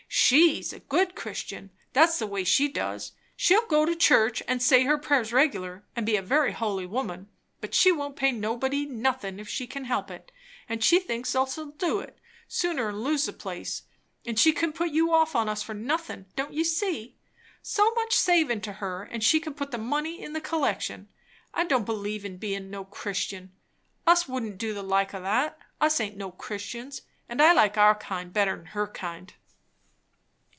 She's a good Christian, and that's the way she does. She'll go to church, and say her prayers regular, and be a very holy woman; but she won't pay nobody nothin' if she can help it; and she thinks us'll do it, sooner 'n lose the place, and she can put you off on us for nothin' don't ye see? So much savin' to her, and she can put the money in the collection. I don't believe in bein' no Christian! Us wouldn't do the like o' that, and us aint no Christians; and I like our kind better 'n her kind."